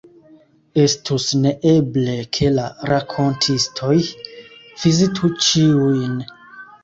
Estus neeble, ke la rakontistoj vizitu ĉiujn.